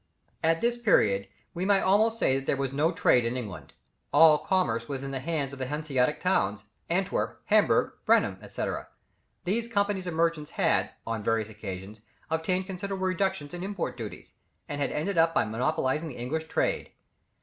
At this period, we may almost say there was no trade in England. All commerce was in the hands of the Hanseatic towns, Antwerp, Hamburg, Bremen, &c. These companies of merchants had, on various occasions, obtained considerable reductions in import duties, and had ended by monopolizing the English trade.